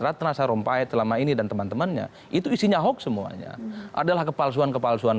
ratna sarumpait selama ini dan teman temannya itu isinya hoax semuanya adalah kepalsuan kepalsuan